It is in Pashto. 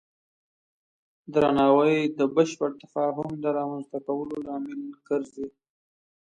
درناوی د بشپړ تفاهم د رامنځته کولو لامل ګرځي.